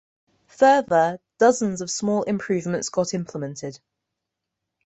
Further, dozens of small improvements got implemented.